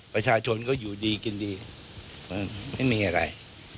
ประชาชนก็อยู่ดีกินดีไม่มีอะไร